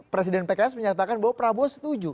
presiden pks menyatakan bahwa prabowo setuju